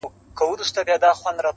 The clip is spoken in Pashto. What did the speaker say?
د سپینتمان د سردونو د یسنا لوري~